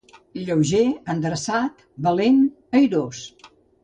Lleuger, endreçat, valent, airós.